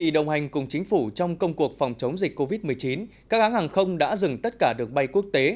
đồng hành cùng chính phủ trong công cuộc phòng chống dịch covid một mươi chín các hãng hàng không đã dừng tất cả đường bay quốc tế